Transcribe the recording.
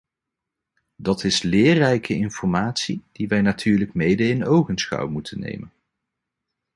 Dat is leerrijke informatie, die wij natuurlijk mede in ogenschouw moeten nemen.